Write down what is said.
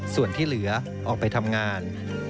ส่วนที่เหลือออกไปทำงาน